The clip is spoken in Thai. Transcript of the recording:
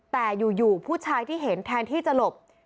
แต่อยู่ผู้ชายที่เห็นแทนที่จะหลบ